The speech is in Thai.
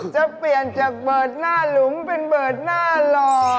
จะเปลี่ยนจากเบิร์ดหน้าหลุมเป็นเบิร์ตหน้าหล่อ